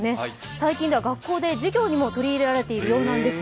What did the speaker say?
最近では学校で授業にも取り入れられているようなんです。